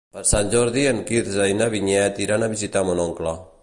Per Sant Jordi en Quirze i na Vinyet iran a visitar mon oncle.